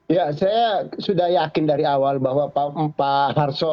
ya saya sudah yakin dari awal bahwa pak harso